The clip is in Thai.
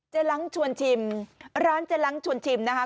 หลังชวนชิมร้านเจ๊ล้างชวนชิมนะคะ